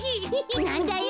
なんだよ。